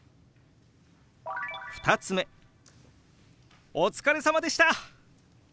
２つ目「お疲れさまでした！」。